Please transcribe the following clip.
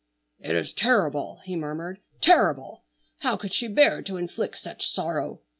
"It is terrible!" he murmured, "terrible! How could she bear to inflict such sorrow!